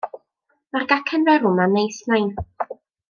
Mae'r gacen ferw ma' yn neis nain.